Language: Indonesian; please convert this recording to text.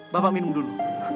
bapak minum dulu